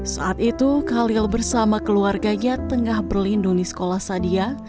saat itu khalil bersama keluarganya tengah berlindung di sekolah sadia